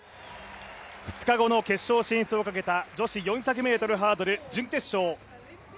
２日後の決勝進出をかけた、女子４００ｍハードル準決勝。